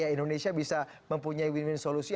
indonesia bisa mempunyai win win solusi